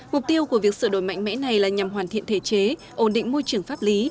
mục tiêu của việc sửa đổi mạnh mẽ này là nhằm hoàn thiện thể chế ổn định môi trường pháp lý